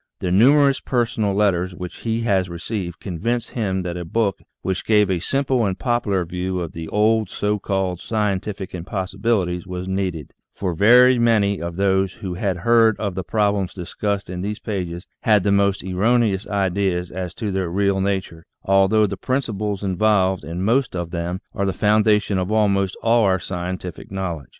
The numerous personal letters which he has received convince him that a book which gave a simple and popular view of the old so called " scientific impossibilities " was needed, for very many of those who had heard of the problems discussed in these pages had the most erroneous ideas as to their real nature, although the principles involved in most of them are the foundation of almost all our scientific knowledge.